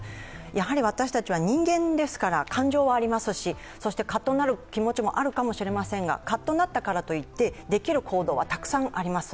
やはり私たちは人間ですから、感情はあります、カッとなる感情もありますがカッとなったからといってできる行動はたくさんあります。